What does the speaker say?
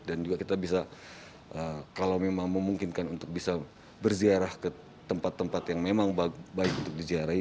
dan juga kita bisa kalau memang memungkinkan untuk bisa berziarah ke tempat tempat yang memang baik untuk diziarahi